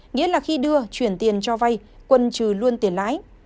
nghĩa là khi đưa chuyển tiền cho vay quân trừ luôn tiền lãi